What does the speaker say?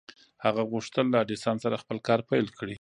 هغه غوښتل له ايډېسن سره خپل کار پيل کړي.